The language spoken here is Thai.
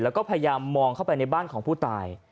แล้วก็พยายามมองเข้าไปในบ้านของผู้ตาย